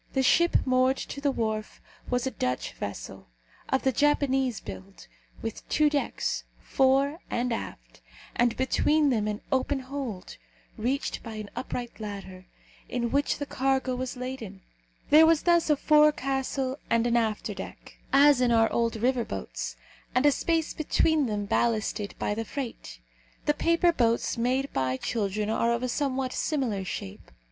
The ship moored to the wharf was a Dutch vessel, of the Japanese build, with two decks, fore and aft, and between them an open hold, reached by an upright ladder, in which the cargo was laden. There was thus a forecastle and an afterdeck, as in our old river boats, and a space between them ballasted by the freight. The paper boats made by children are of a somewhat similar shape.